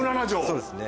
そうですね。